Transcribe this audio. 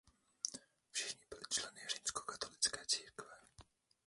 Všichni byli členy římskokatolické církve.